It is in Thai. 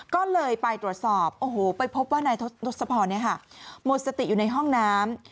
ก็เลยไปตรวจสอบโอ้โหไปพบว่านายทศพรหมดสติอยู่ในห้องน้ำ